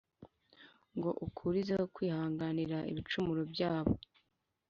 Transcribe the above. ngo ukurizeho kwihanganira ibicumuro byabo.